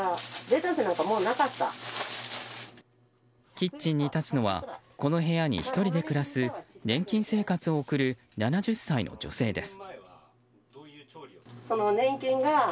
キッチンに立つのはこの部屋に１人で暮らす年金生活を送る７０歳の女性です。